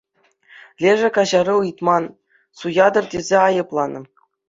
Лешӗ каҫару ыйтман, суятӑр тесе айӑпланӑ.